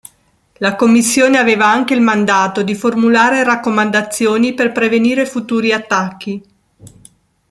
La Commissione aveva anche il mandato di formulare raccomandazioni per prevenire futuri attacchi.